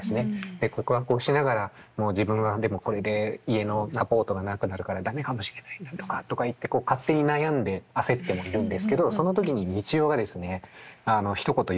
で告白をしながら「もう自分はでもこれで家のサポートがなくなるから駄目かもしれないんだ」とか言って勝手に悩んで焦ってもいるんですけどその時に三千代がですねひと言言うんです。